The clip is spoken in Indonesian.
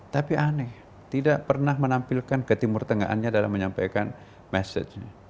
tapi aneh tidak pernah menampilkan ke timur tengahannya dalam menyampaikan message nya